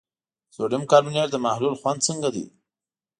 د سوډیم کاربونیټ د محلول خوند څنګه دی؟